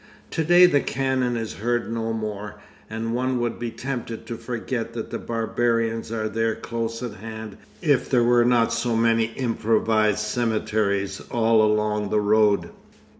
To day the cannon is heard no more, and one would be tempted to forget that the barbarians are there close at hand if there were not so many improvised cemeteries all along the road.